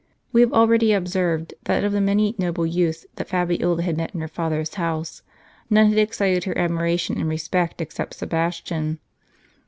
We have already observed, that of the many noble ,,„^^ youths whom Fabiola had met in her father's ^* house, none had excited her admiration and respect except Sebastian.